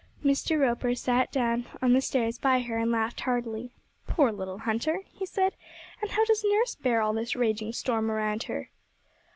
Mr. Roper sat down on the stairs by her and laughed heartily. 'Poor little hunter!' he said, 'and how does nurse bear all this raging storm around her?'